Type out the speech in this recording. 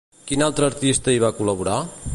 Quin altre artista hi va col·laborar?